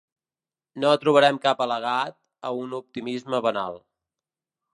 No trobarem cap al·legat a un optimisme banal.